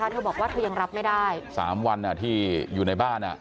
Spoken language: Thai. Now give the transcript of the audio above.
เธอบอกว่าเธอยังรับไม่ได้๓วันที่อยู่ในบ้าน